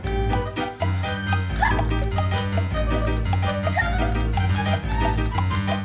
ini adalah jenguk kode kita